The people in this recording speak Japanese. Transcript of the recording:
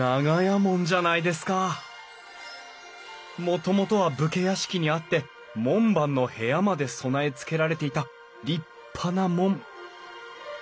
もともとは武家屋敷にあって門番の部屋まで備えつけられていた立派な門。